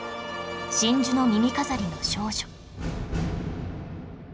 『真珠の耳飾りの少女』